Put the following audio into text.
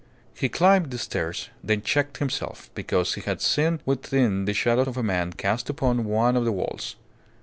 He climbed the stairs, then checked himself, because he had seen within the shadow of a man cast upon one of the walls.